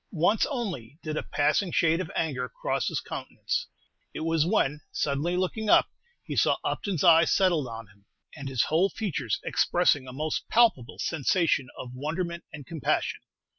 Once only did a passing shade of anger cross his countenance. It was when, suddenly looking up, he saw Upton's eyes settled on him, and his whole features expressing a most palpable sensation of wonderment and compassion.